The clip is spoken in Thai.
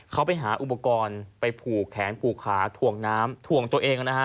เขาไปหาอุปกรณ์ไปผูกแขนผูกขาถ่วงน้ำถ่วงตัวเองนะฮะ